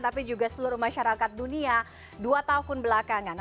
tapi juga seluruh masyarakat dunia dua tahun belakangan